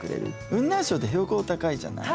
雲南省って標高高いじゃない？